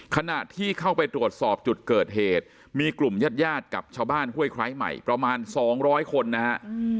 ขณะที่เข้าไปตรวจสอบจุดเกิดเหตุมีกลุ่มญาติญาติกับชาวบ้านห้วยไคร้ใหม่ประมาณ๒๐๐คนนะฮะ